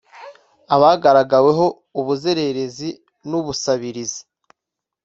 abagaragaweho ubuzererezi nu ubusabirizi